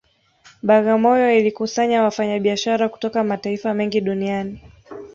Bagamoyo ilikusanya wafanyabiashara kutoka mataifa mengi duniani